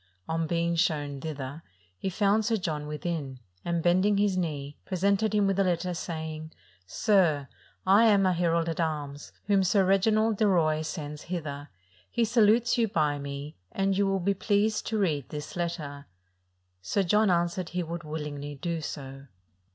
On being shown thither, he found Sir John within; and, bending his knee, pre sented him with a letter, saying, "Sir, I am a herald at arms, whom Sir Reginald de Roye sends hither: he sa lutes you by me, and you will be pleased to read this letter." Sir John answered he would willingly do so.